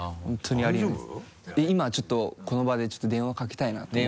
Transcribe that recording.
今ちょっとこの場でちょっと電話かけたいなと。